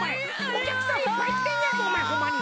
おきゃくさんいっぱいきてんねんぞおまえホンマに！